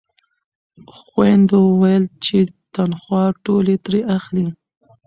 خویندو ویل چې تنخوا ټولې ترې اخلئ.